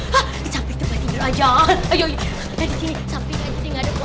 ha sampai tempat tidur aja